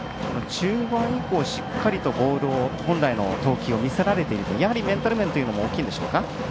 中盤以降しっかりとボール本来の投球を見せられているやはり、メンタル面というのも大きいんでしょうか。